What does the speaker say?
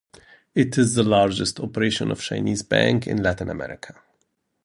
It is the largest operation of a Chinese bank in Latin America.